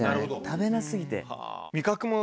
食べな過ぎて。